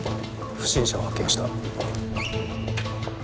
不審者を発見した。